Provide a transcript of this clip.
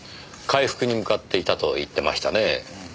回復に向かっていたと言ってましたねぇ。